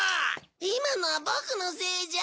今のはボクのせいじゃ。